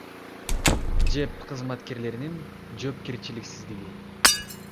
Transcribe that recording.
ЖЭБ кызматкерлеринин жоопкерчиликсиздиги.